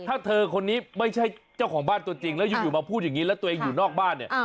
ถ้าเธอคนนี้ไม่ใช่เจ้าของบ้านตัวจริงแล้วอยู่มาพูดอย่างนี้แล้วตัวเองอยู่นอกบ้านเนี่ย